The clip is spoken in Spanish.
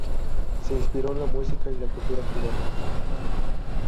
Se inspiró en la música y la cultura cubanas.